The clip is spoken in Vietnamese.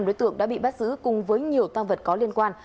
năm đối tượng đã bị bắt giữ cùng với nhiều tăng vật có liên quan